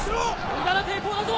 無駄な抵抗だぞ！